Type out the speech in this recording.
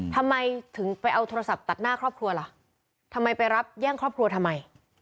ทำไมถึงไปเอาโทรศัพท์ตัดหน้าครอบครัวล่ะทำไมไปรับแย่งครอบครัวทำไม